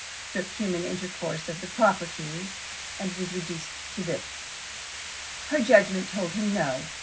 Strip human intercourse of the proprieties, and is it reduced to this? Her judgment told her no.